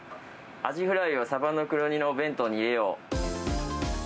アジフライをサバの黒煮の弁当に入れよう。